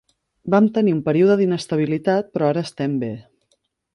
Vam tenir un període d'inestabilitat, però ara estem bé.